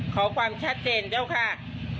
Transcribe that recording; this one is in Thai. ขอความชัดเจนเจ้าค่ะ